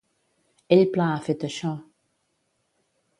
Ell pla ha fet això.